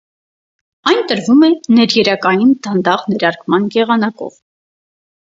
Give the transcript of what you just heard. Այն տրվում է ներերակային դանդաղ ներարկման եղանակով։